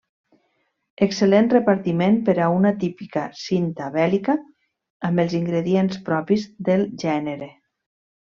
Excel·lent repartiment per a una típica cinta bèl·lica amb els ingredients propis del gènere.